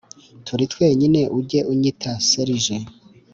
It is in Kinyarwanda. turi twenyine ujye unyita serge